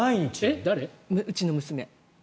うちの娘。